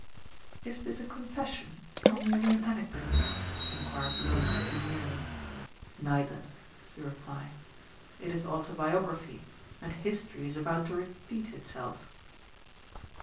"Is this a confession, or merely an anecdote?" enquired Lola demurely. "Neither," was the reply. "It is autobiography, and history is about to repeat itself."